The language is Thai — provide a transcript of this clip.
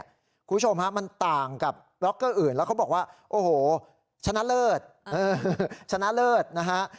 คุณผู้ชมฮะมันต่างกับล็อกเกอร์อื่นแล้วเขาบอกว่าโอ้โหชนะเลิศชนะเลิศนะฮะ